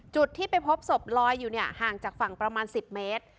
จุดที่ไปพบศพลอยอยู่เนี่ยห่างจากฝั่งประมาณ๑๐เมตร